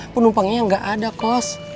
penumpangnya yang gak ada kos